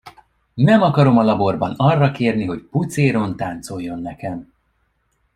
Nem akarom a laborban arra kérni, hogy pucéron táncoljon nekem.